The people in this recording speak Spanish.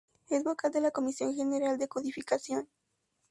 Es Vocal de la Comisión General de Codificación